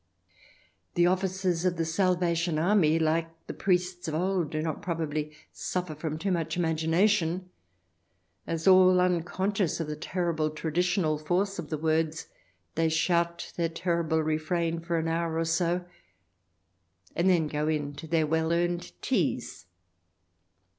... The officers of the Salvation Army, like the priests of old, do not, probably, suffer from too much imagination, as, all unconscious of the terrible traditional force of the words, they shout their terrible refrain for an hour or so, and then go in to their well earned teas.